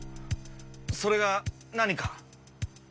それが何か？